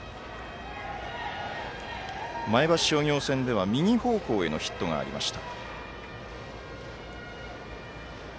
前橋商業戦では右方向へのヒットがありました。